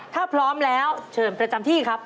ถ้าพร้อมแล้วเชิญประจำที่ครับ